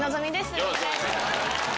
よろしくお願いします。